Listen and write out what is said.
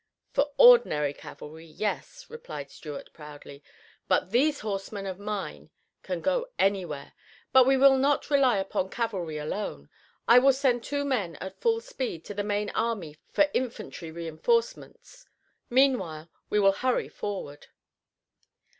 "For ordinary cavalry, yes," replied Stuart, proudly, "but these horsemen of mine can go anywhere. But we will not rely upon cavalry alone. I will send two men at full speed to the main army for infantry reinforcements. Meanwhile, we will hurry forward."